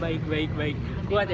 oh baik baik baik kuat ya bayar